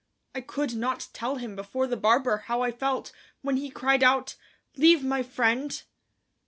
I could not tell him before the barber how I felt when he cried out: "Leave my friend!"